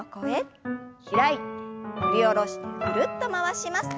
開いて振り下ろしてぐるっと回します。